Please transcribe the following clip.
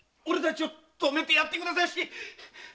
俺たちを泊めてやってください。